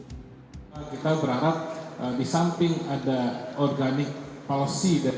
kita berharap di samping ada organik palsi dari